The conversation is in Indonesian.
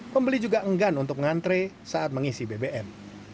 pembeli juga enggan untuk ngantre saat mengisi bbm